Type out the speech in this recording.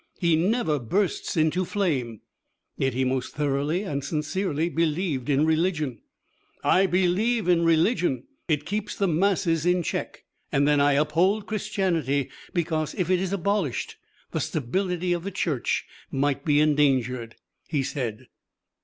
He never bursts into flame. Yet he most thoroughly and sincerely believed in religion. "I believe in religion, it keeps the masses in check. And then I uphold Christianity because if it is abolished the stability of the Church might be endangered," he said.